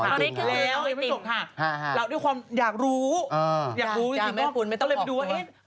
แล้วยังไม่จบค่ะเราที่ความอยากรู้อยากรู้จริงก็ต้องไปดูว่า